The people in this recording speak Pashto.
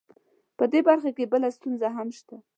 دې برخه کې بله ستونزه هم شته